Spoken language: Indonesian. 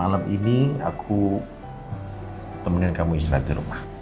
malam ini aku temenin kamu istirahat di rumah